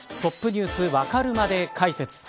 Ｔｏｐｎｅｗｓわかるまで解説。